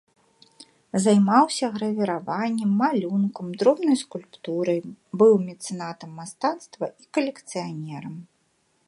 Займаўся гравіраваннем, малюнкам, дробнай скульптурай, быў мецэнатам мастацтва і калекцыянерам.